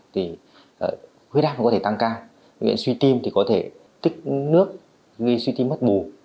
thì huyết áp có thể tăng cao nghiện suy tim thì có thể tích nước gây suy tim mất bù